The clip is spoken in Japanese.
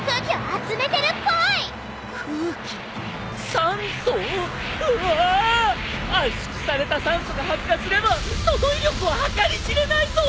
圧縮された酸素が発火すればその威力は計り知れないぞ！